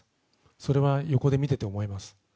それは横で見ていて思います。